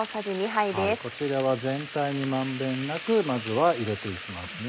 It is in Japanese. こちらは全体に満遍なくまずは入れていきますね。